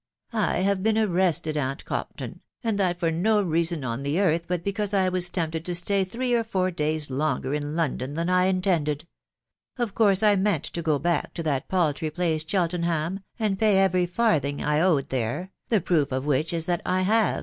I have been arrested, aunt Compton, and that for no reason on the earth but because I was tempted to stay three or four days longer in London than I intended. Of course, I meant to go back to that paltry place, Cheltenham, and nav^ every farthing I owed there, the proof of >ift&^\%,S&»X"V't*»» c c 3 390 Xn WIDOW BAB1TABY.